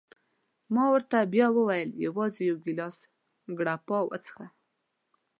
ما ورته بیا وویل: یوازي یو ګیلاس ګراپا وڅېښه.